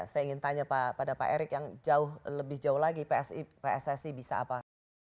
saya ingin tanya pada pak erick yang jauh lebih jauh lagi pssi bisa apa